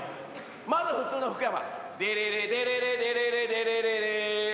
まず普通の福山デレレデレレデレレデレレレ